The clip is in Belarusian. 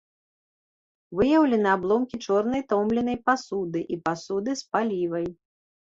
Выяўлены абломкі чорнай томленай пасуды і пасуды з палівай.